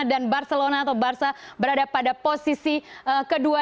dan barcelona atau barca berada pada posisi kedua